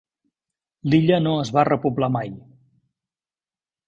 L'illa no es va repoblar mai.